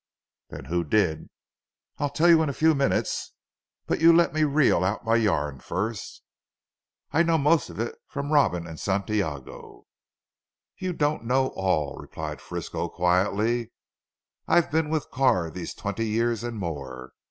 "Then who did?" "I'll tell you in a few minutes. But you let me reel out my yarn first." "I know most of it from Robin and Santiago." "You don't know all," replied Frisco quietly "I've been with Carr these twenty years and more.